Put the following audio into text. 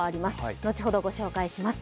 後ほどご紹介します。